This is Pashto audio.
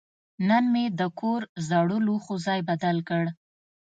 نن مې د کور زړو لوښو ځای بدل کړ.